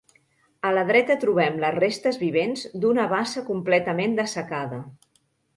A la dreta trobem les restes vivents d'una bassa completament dessecada.